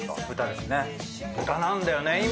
豚なんだよね